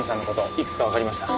いくつかわかりました。